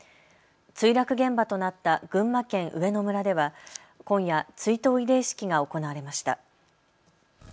墜落現場となった群馬県上野村では今夜、追悼慰霊式が行われました。